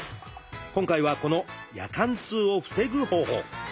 今回はこの夜間痛を防ぐ方法。